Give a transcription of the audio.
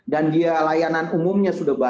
dan dia layanan umumnya sudah berlebihan